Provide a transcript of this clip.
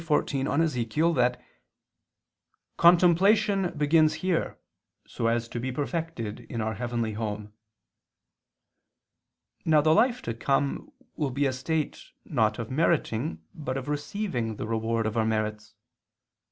xiv in Ezech.) that "contemplation begins here, so as to be perfected in our heavenly home." Now the life to come will be a state not of meriting but of receiving the reward of our merits.